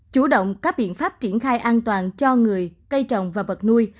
chủ động các biện pháp triển khai an toàn cho người cây trồng và vật nuôi